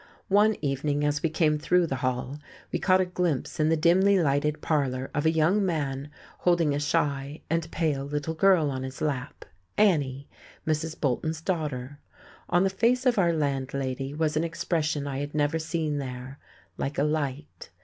One evening as we came through the hall we caught a glimpse in the dimly lighted parlour of a young man holding a shy and pale little girl on his lap, Annie, Mrs. Bolton's daughter: on the face of our landlady was an expression I had never seen there, like a light.